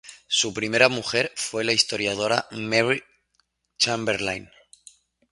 Su primera mujer fue la historiadora Mary Chamberlain.